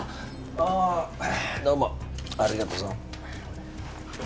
ああどうもありがとさん